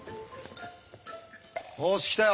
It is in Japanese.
よし来たよ